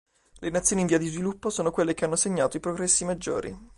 Le nazioni in via di sviluppo sono quelle che hanno segnato i progressi maggiori.